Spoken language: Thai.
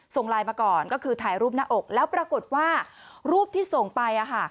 ส่งไลน์มาก่อนก็คือถ่ายรูปหน้าอกแล้วปรากฏว่ารูปที่ส่งไป